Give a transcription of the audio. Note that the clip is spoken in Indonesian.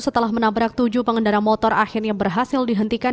setelah menabrak tujuh pengendara motor akhirnya berhasil dihentikan